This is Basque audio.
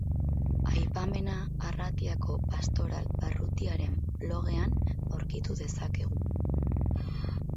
Aipamena Arratiako Pastoral Barrutiaren blogean aurkitu dezakegu.